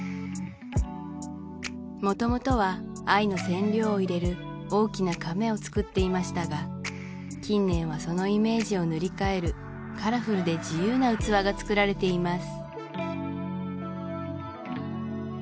もともとは藍の染料を入れる大きなかめを作っていましたが近年はそのイメージを塗り替えるカラフルで自由な器が作られています